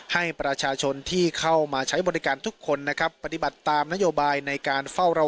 ให้ประชาชนที่เข้ามาใช้บริการทุกคนนะครับปฏิบัติตามนโยบายในการเฝ้าระวัง